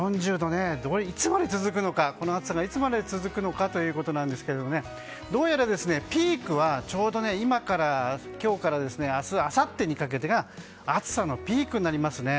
この４０度、この暑さがいつまで続くのかなんですがどうやら、ピークはちょうど今日から明日、あさってにかけてが暑さのピークになりますね。